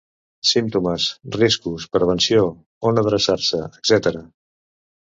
Símptomes, riscos, prevenció, on adreçar-se, etcètera.